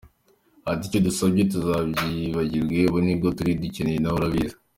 Ati “Icyo tugusabye ntuzatwibagirwe, ubu nibwo twari tugukeneye na we urabizi.